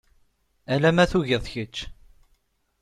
Ala ma tugiḍ kečč.